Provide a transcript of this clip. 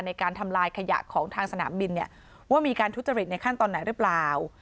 ในการทำลายขยะของทางสนามบินว่ามีการทุจริตในขั้นตอนไหนหรือเปล่า